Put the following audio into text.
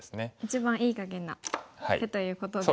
一番“いい”かげんな手ということで。